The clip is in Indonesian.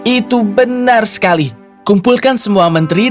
itu benar sekali kumpulkan semua yang ada di dalamnya